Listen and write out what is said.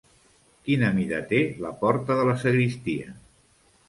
Quina mida té la porta de la sagristia?